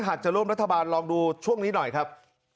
หากจะร่วมรัฐบาลลองดูช่วงนี้หน่อยครับ